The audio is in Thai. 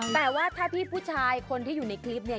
แต่ว่าถ้าพี่ผู้ชายคนที่อยู่ในคลิปเนี่ย